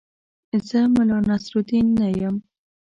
زه ملا نصرالدین نه یم.